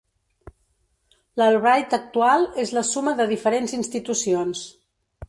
L'Albright actual és la suma de diferents institucions.